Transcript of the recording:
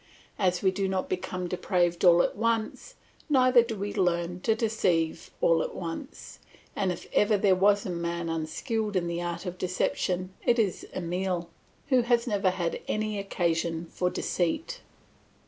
As we do not become depraved all at once, neither do we learn to deceive all at once; and if ever there was a man unskilled in the art of deception it is Emile, who has never had any occasion for deceit.